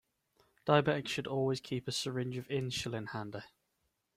Diabetics should always keep a syringe of insulin handy.